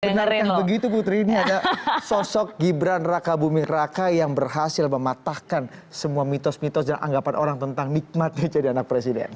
benarkah begitu putri ini ada sosok gibran raka buming raka yang berhasil mematahkan semua mitos mitos dan anggapan orang tentang nikmatnya jadi anak presiden